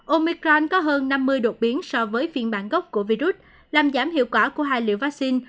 omicron có hơn năm mươi đột biến so với phiên bản gốc của virus làm giảm hiệu quả của hai liều vaccine